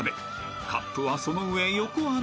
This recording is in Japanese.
［カップはその上横穴状態］